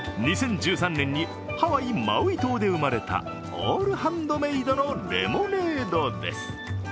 ２０１３年にハワイ・マウイ島で生まれたオールハンドメードのレモネードです。